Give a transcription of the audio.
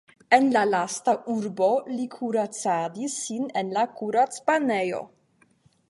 En la lasta urbo li kuracadis sin en la kuracbanejo.